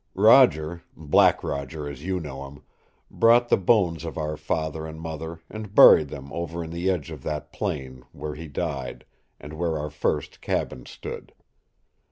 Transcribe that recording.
Roger Black Roger, as you know him brought the bones of our father and mother and buried them over in the edge of that plain where he died and where our first cabin stood.